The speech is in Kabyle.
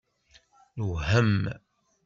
Newhem.